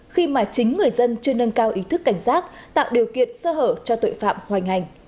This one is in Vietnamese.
khi mà chính người dân chưa nâng cao ý thức cảnh giác tạo điều kiện sơ hở cho tội phạm hoành hành